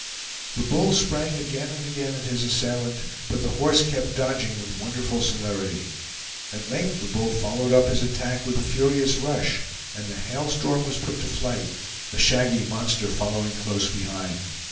The bull sprang again and again at his assailant, but the horse kept dodging with wonderful celerity. At length the bull followed up his attack with a furious rush, and the Hail Storm was put to flight, the shaggy monster following close behind.